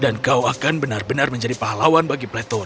dan kau akan benar benar menjadi pahlawan bagi plethor